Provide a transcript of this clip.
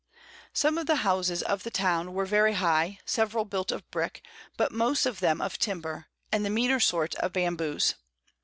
Some of the Houses of the Town were very high, several built of Brick, but most of them of Timber, and the meaner sort of Bamboes.